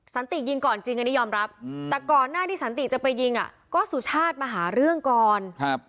สันติยิงก่อนจริงอันนี้ยอมรับแต่ก่อนหน้าที่สันติจะไปยิงอ่ะก็สุชาติมาหาเรื่องก่อนครับ